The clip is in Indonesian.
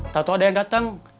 tahu tahu ada yang datang